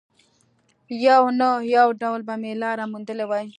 يو نه يو ډول به مې لاره موندلې وای.